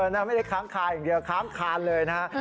ไม่ได้ค้างคาอย่างเดียวค้างคานเลยนะฮะ